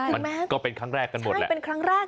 มันก็เป็นครั้งแรกกันหมดแหละเป็นครั้งแรก